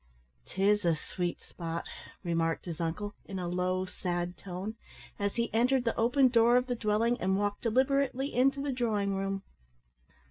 "'Tis a sweet spot!" remarked his uncle, in a low, sad tone, as he entered the open door of the dwelling, and walked deliberately into the drawing room.